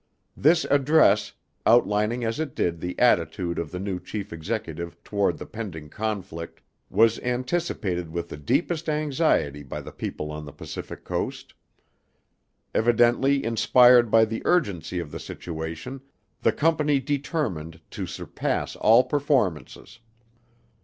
This address, outlining as it did the attitude of the new Chief Executive toward the pending conflict, was anticipated with the deepest anxiety by the people on the Pacific Coast. Evidently inspired by the urgency of the situation, the Company determined to surpass all performances.